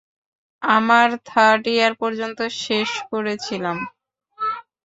আমার third year পর্যন্ত শেষ করেছিলাম।